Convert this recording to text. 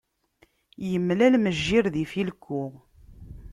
Imlal mejjir d ifilku.